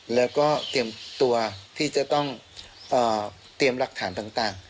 แล้วก็เตรียมตัวที่จะต้องเตรียมหลักฐานต่าง